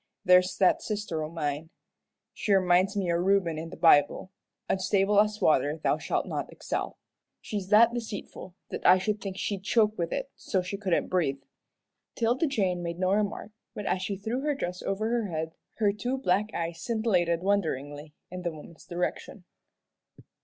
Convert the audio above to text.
There's that sister o' mine. She reminds me o' Reuben in the Bible 'unstable as water thou shalt not excel.' She's that deceitful that I should think she'd choke with it so she couldn't breathe." 'Tilda Jane made no remark, but as she threw her dress over her head her two black eyes scintillated wonderingly in the woman's direction.